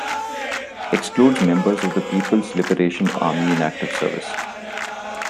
Excludes members of the People's Liberation Army in active service.